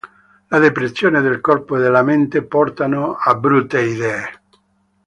La depressione del corpo e della mente portano a brutte idee".